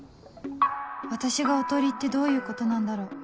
私がおとりってどういうことなんだろう